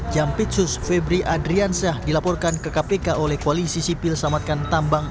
jampitsus febri adrian syah dilaporkan ke kpk oleh kualisi sipil samadkan tambang